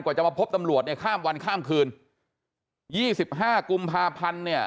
จะมาพบตำรวจเนี่ยข้ามวันข้ามคืน๒๕กุมภาพันธ์เนี่ย